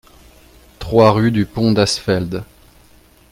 trois rue du Pont d'Asfeld